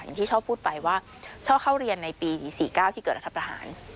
เหมือนที่เช้าพูดไปว่าเช้าเข้าเรียนในปี๔๙ที่เกิดรัฐพาหาร